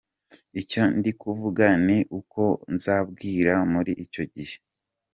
Icyo ndi kuvuga ni uko nzababwira muri icyo gihe.